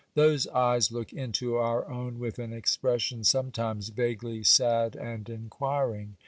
Those eyes look into our own with an expression sometimes vaguely sad and inquiring.